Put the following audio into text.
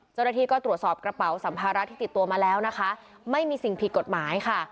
เจ้าหน้าที่ก็ตรวจสอบกระเป๋าสัมภาระที่ติดตัวมาแล้วนะคะไม่มีสิ่งผิดกฎหมายค่ะ